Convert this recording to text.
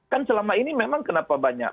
kan selama ini memang kenapa banyak